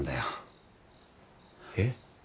えっ？